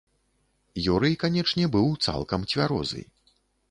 Юрый, канечне, быў цалкам цвярозы.